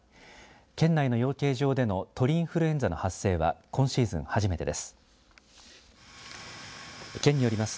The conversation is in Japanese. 県内の養鶏場での鳥インフルエンザの発生は今シーズン初めてです。